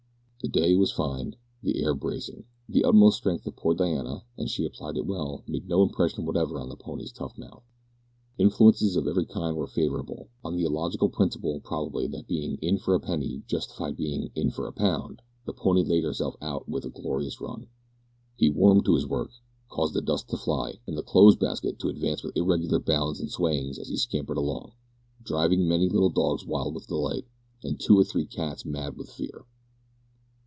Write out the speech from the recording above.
The day was fine; the air bracing. The utmost strength of poor little Diana, and she applied it well, made no impression whatever on the pony's tough mouth. Influences of every kind were favourable. On the illogical principle, probably, that being "in for a penny" justified being "in for a pound," the pony laid himself out for a glorious run. He warmed to his work, caused the dust to fly, and the clothes basket to advance with irregular bounds and swayings as he scampered along, driving many little dogs wild with delight, and two or three cats mad with fear.